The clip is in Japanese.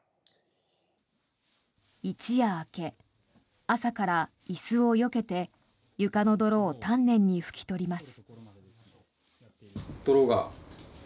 一夜明け、朝から椅子をよけて床の泥を丹念に拭き取ります。